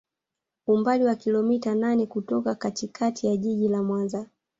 Umbali wa kilometa nane kutoka katikati ya Jiji la Mwanza